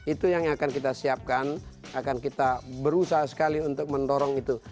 itu yang akan kita siapkan akan kita berusaha sekali untuk mendorong itu